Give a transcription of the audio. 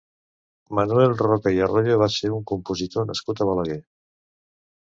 Manuel Roca i Royo va ser un compositor nascut a Balaguer.